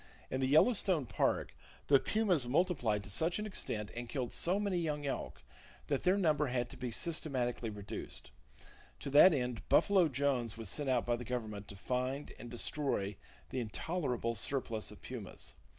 In the Yellowstone Park the pumas multiplied to such an extent and killed so many young elk that their number had to be systematically reduced. To that end "Buffalo" Jones was sent out by the Government to find and destroy the intolerable surplus of pumas.